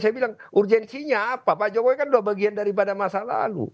saya bilang urgensinya apa pak jokowi kan sudah bagian daripada masa lalu